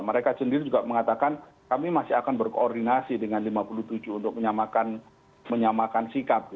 mereka sendiri juga mengatakan kami masih akan berkoordinasi dengan lima puluh tujuh untuk menyamakan sikap